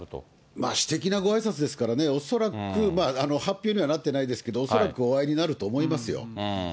まあ、私的なごあいさつですからね、恐らく、発表にはなってないですけど、恐らくお会いになると思いますよ。